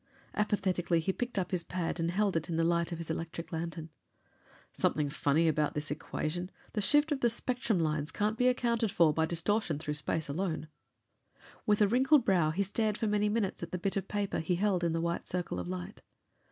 Apathetically, he picked up his pad and held it in the light of his electric lantern. "Something funny about this equation. The shift of the spectrum lines can't be accounted for by distortion through space alone." With wrinkled brow, he stared for many minutes at the bit of paper he held in the white circle of light.